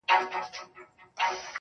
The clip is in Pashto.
اوس سودايي يمه اوس داسې حرکت کومه,